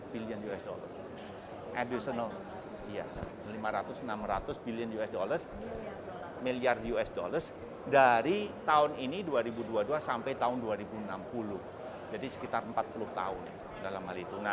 billion us dollars dari tahun ini dua ribu dua puluh dua sampai tahun dua ribu enam puluh jadi sekitar empat puluh tahun dalam hal itu